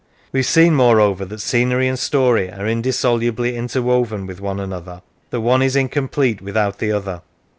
We have seen, moreover, that scenery and story are indissolubly inter woven with one another : that one is incomplete with out the other.